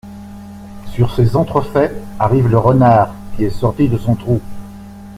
Sur ces entrefaites, arrive le renard, qui est sorti de son trou.